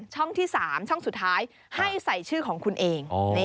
ที่๓ช่องสุดท้ายให้ใส่ชื่อของคุณเอง